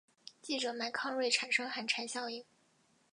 记者麦康瑞产生寒蝉效应。